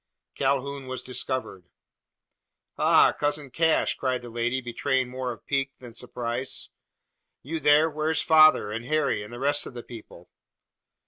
Calhoun was discovered. "Ha! cousin Cash!" cried the lady, betraying more of pique than surprise; "you there? Where's father, and Harry, and the rest of the people?"